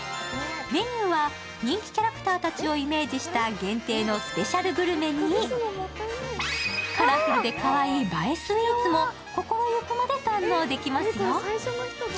メニューは人気キャラクターたちをイメージした限定のスペシャルグルメに、カラフルでかわいい映えスイーツも心ゆくまで堪能できますよ。